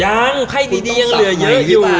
ยังให้ดียังเหลือเยอะอยู่